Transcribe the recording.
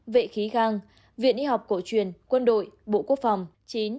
tám vệ khí khang viện y học cổ truyền quân đội bộ quốc phòng